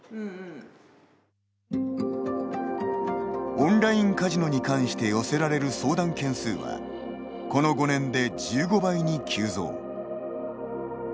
オンラインカジノに関して寄せられる相談件数はこの５年で１５倍に急増。